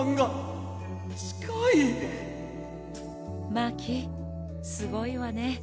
マーキーすごいわね。